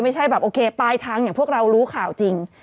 ไม่ใช่แบบโอเคปลายทางอย่างพวกเรารู้ข่าวจริง